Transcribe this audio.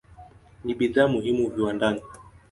Ni bidhaa muhimu viwandani.